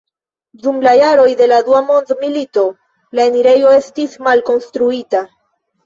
Dum la jaroj de la dua mondmilito la enirejo estis malkonstruita.